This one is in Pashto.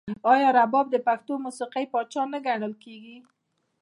آیا رباب د پښتو موسیقۍ پاچا نه ګڼل کیږي؟